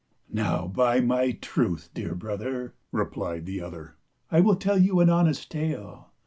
" Now by my truth, dear brother," replied the other, " I will tell you an honest tale.